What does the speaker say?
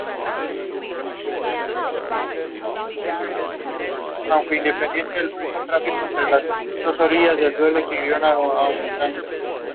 His songs were later used by Maoist during the civil war.